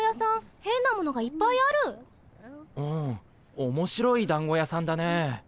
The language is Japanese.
おもしろいだんご屋さんだね。